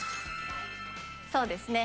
そうですね。